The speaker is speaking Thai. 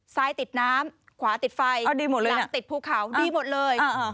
ซ้ายติดน้ำขวาติดไฟหลังติดภูเขาดีหมดเลย